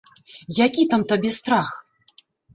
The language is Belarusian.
Які там табе страх?